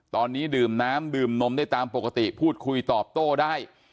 ตอนนี้ดื่มน้ำดื่มนมได้ตามปกติพูดคุยตอบโต้ได้